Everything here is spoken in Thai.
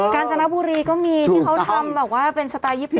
การจนบุรีก็มีที่เขาทำแบบว่าเป็นสไตล์ญี่ปุ่น